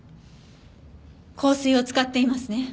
香水を使っていますね？